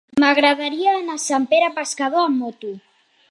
M'agradaria anar a Sant Pere Pescador amb moto.